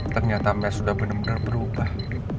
ternyata mel sudah bener bener berubah